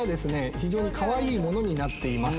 非常にカワイイものになっています。